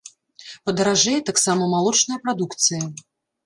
Падаражэе таксама малочная прадукцыя.